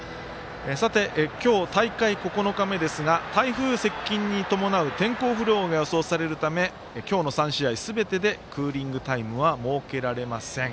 さて、今日、大会９日目ですが台風接近に伴う天候不良が予想されるため今日の３試合すべてでクーリングタイムは設けられません。